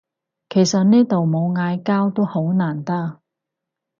其實呢度冇嗌交都好難得